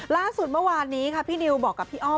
ล่าสุดเมื่อวานนี้ค่ะพี่นิวบอกกับพี่อ้อม